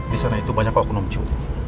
di sana itu banyak okunum cu